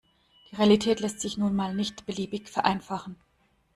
Die Realität lässt sich nun mal nicht beliebig vereinfachen.